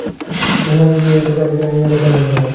গুহায় গিয়ে ওদের গাড়ি করে নিয়ে এলে কেমন হয়?